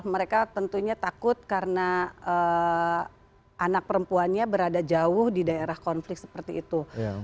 mereka tentunya takut karena anak perempuannya berada jauh di daerah konflik seperti itu